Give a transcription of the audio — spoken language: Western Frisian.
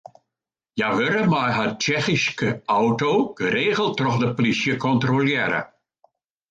Hja wurde mei har Tsjechyske auto geregeld troch de plysje kontrolearre.